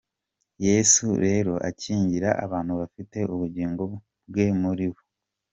Yesu rero akingira abantu bafite ubugingo bwe muri bo.